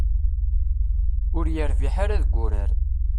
Ur yerbiḥ ara deg wurar.